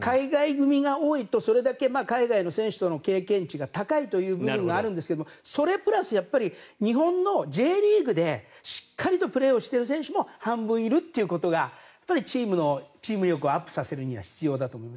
海外組が多いと、それだけ海外の選手の経験値が高いという部分があるんですけどそれプラスやっぱり日本のＪリーグでしっかりとプレーをしている選手も半分いるっていうことがチーム力をアップさせるには必要だと思います。